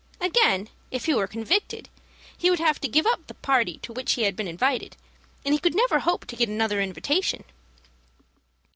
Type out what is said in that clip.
Again, if he were convicted, he would have to give up the party to which he had been invited, and he could never hope to get another invitation.